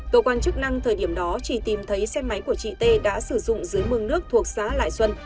cơ quan chức năng thời điểm đó chỉ tìm thấy xe máy của chị tê đã sử dụng dưới mương nước thuộc xã lải xuân